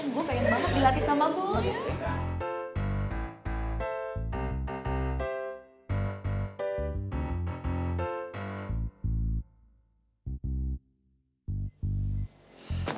gue pengen banget dilatih sama gue